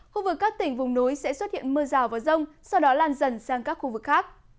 khu vực các tỉnh vùng núi sẽ xuất hiện mưa rào và rông sau đó lan dần sang các khu vực khác